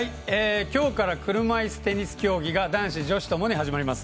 きょうから車いすテニス競技が男子、女子ともに始まります。